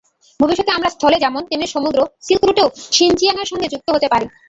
ভবিষ্যতে আমরা স্থলে যেমন, তেমনি সমুদ্র সিল্ক রুটেও শিনচিয়াংয়ের সঙ্গে যুক্ত হতে পারি।